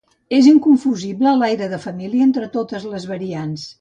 És inconfusible l'aire de família entre totes les variants.